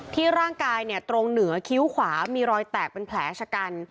ร่างกายตรงเหนือคิ้วขวามีรอยแตกเป็นแผลชะกัน